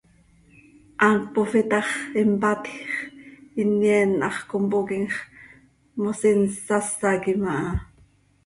Hant pofii ta x, impatj x, inyeen hax compooquim x, mos insásaquim aha.